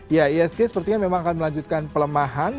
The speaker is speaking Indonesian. iisg sepertinya memang akan melanjutkan pelemahan